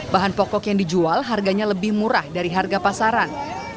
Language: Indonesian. bahan pokok yang dijual harganya lebih murah dari harga pasaran